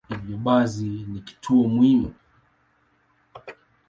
Hivyo basi ni kituo muhimu.